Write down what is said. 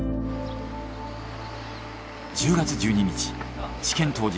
１０月１２日治験当日。